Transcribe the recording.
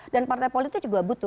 dan partai politik juga butuh